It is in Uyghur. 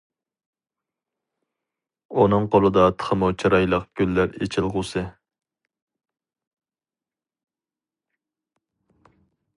ئۇنىڭ قولىدا تېخىمۇ چىرايلىق گۈللەر ئېچىلغۇسى!